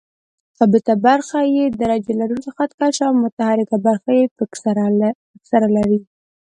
ثابته برخه یې درجه لرونکی خط کش او متحرکه برخه یې فکسره لري.